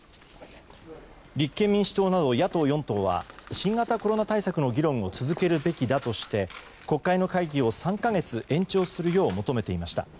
立憲民主党など野党４党は新型コロナ対策の議論を続けるべきだとして国会の会期を３か月延長するよう求めていました。